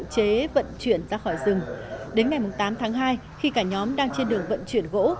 chế vận chuyển ra khỏi rừng đến ngày tám tháng hai khi cả nhóm đang trên đường vận chuyển gỗ